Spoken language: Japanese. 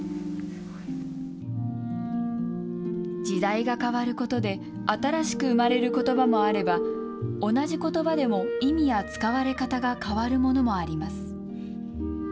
時代が変わることで、新しく生まれることばもあれば、同じことばでも意味や使われ方が変わるものもあります。